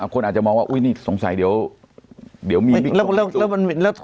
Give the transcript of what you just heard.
คนอาจจะมองว่าอุ้ยนี่สงสัยเดี๋ยวเดี๋ยวมีแล้วแล้วแล้ว